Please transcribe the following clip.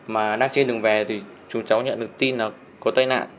mà đang trên đường về thì chủ cháu nhận được tin là có tai nạn